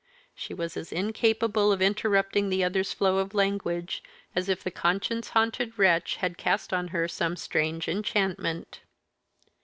She was as incapable of interrupting the other's flow of language as if the conscience haunted wretch had cast on her some strange enchantment.